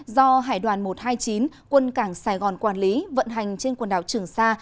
do hải đoàn một trăm hai mươi chín quân cảng sài gòn quản lý vận hành trên quần đảo trường sa